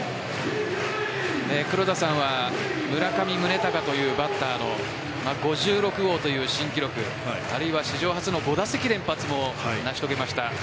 黒田さんは村上宗隆というバッターの５６号という新記録あるいは史上初の５打席連発も成し遂げました。